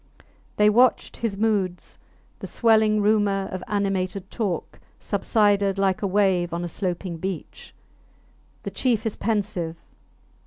They watched his moods; the swelling rumour of animated talk subsided like a wave on a sloping beach. The chief is pensive.